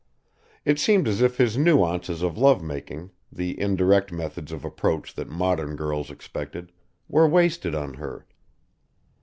It seemed as if his nuances of love making, the indirect methods of approach that modern girls expected, were wasted on her.